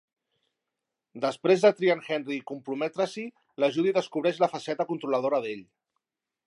Després de triar en Henri i comprometre-s'hi, la Judy descobreix la faceta controladora d'ell.